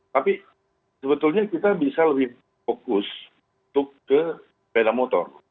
tapi sebetulnya kita bisa lebih fokus untuk ke sepeda motor